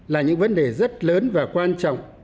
là những vấn đề rất lớn và quan trọng